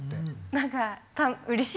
何かうれしいよね。